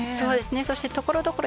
そしてところどころ